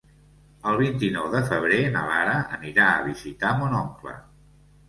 El vint-i-nou de febrer na Lara anirà a visitar mon oncle.